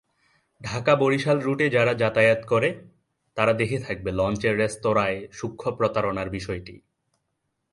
ঢাকা-বরিশাল রুটে যারা যাতায়াত করে, তারা দেখে থাকবে লঞ্চের রেস্তোরাঁয় সূক্ষ্ম প্রতারণার বিষয়টি।